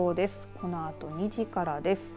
このあと２時からです。